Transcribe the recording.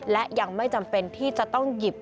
และยังไม่จำเป็นที่จะต้องหยิบ